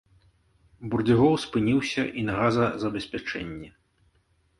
Бурдзюгоў спыніўся і на газазабеспячэнні.